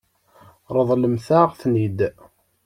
Ṛeḍlemt-aɣ-ten-id.